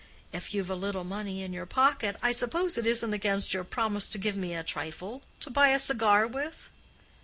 If you've a little money in your pocket, I suppose it isn't against your promise to give me a trifle—to buy a cigar with."